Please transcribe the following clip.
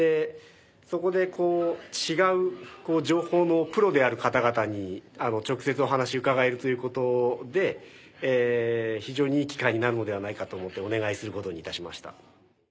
そこで違う情報のプロである方々に直接お話伺えるということで非常にいい機会になるのではないかと思ってお願いすることにいたしました。